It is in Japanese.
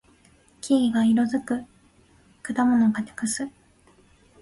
木々が色づく。果物が熟す。